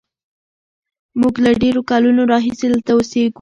موږ له ډېرو کلونو راهیسې دلته اوسېږو.